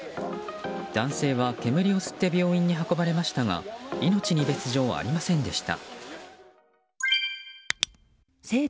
男性は煙を吸って病院に運ばれましたが命に別条はありませんでした。